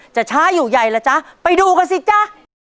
ช้าอยู่ใหญ่ล่ะจ๊ะไปดูกันสิจ๊ะ